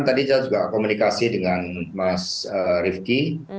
tadi saya juga komunikasi dengan mas rifki